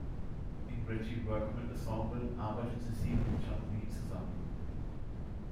Im Reggie Workman Ensemble arbeitete sie mit Jeanne Lee zusammen.